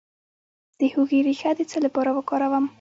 د هوږې ریښه د څه لپاره وکاروم؟